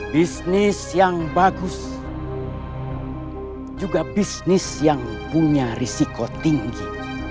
bisnis yang bagus juga bisnis yang punya risiko tinggi